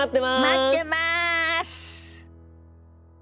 待ってます！